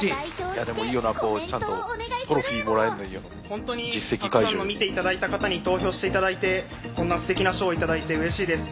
ほんとにたくさんの見て頂いた方に投票して頂いてこんなすてきな賞を頂いてうれしいです。